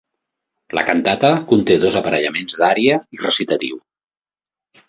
La cantata conté dos aparellaments d'ària i recitatiu.